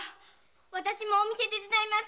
私も手伝います。